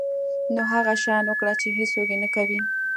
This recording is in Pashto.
نو هغه شیان وکړه چې هیڅوک یې نه کوي.